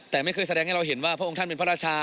แต่ไม่เคยแสดงให้เราเห็นว่าพระองค์ท่านเป็นพระราชา